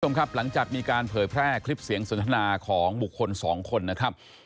คุณผู้ชมครับหลังจากมีการเผยแพร่คลิปเสียงสนทนาของบุคคลสองคนนะครับ